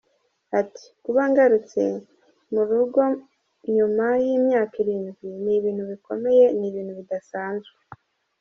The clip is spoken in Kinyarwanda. Ati “Kuba ngarutse mu rugonyuma y’imyaka irindwi ni ibintu bikomeye, ni ibintu bidasanzwe…”.